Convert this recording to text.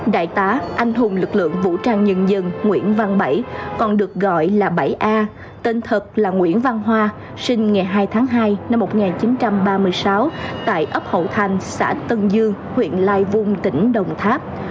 đại tá anh hùng lực lượng vũ trang nhân dân nguyễn văn bảy còn được gọi là bảy a tên thật là nguyễn văn hoa sinh ngày hai tháng hai năm một nghìn chín trăm ba mươi sáu tại ấp hậu thanh xã tân dương huyện lai vung tỉnh đồng tháp